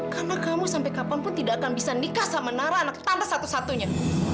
karena kamu sampai kapanpun tidak akan bisa nikah sama nara anak tante satu satunya